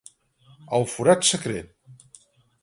El forat secret